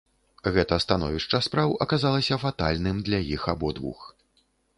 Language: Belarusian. Гэта становішча спраў аказалася фатальным для іх абодвух.